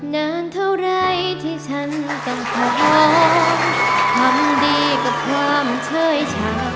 นานเท่าไหร่ที่ฉันกันพร้อมความดีกว่าความเชื่อชาว